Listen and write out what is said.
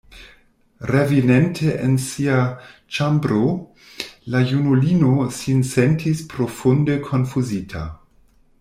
Reveninte en sia ĉambro, la junulino sin sentis profunde konfuzita.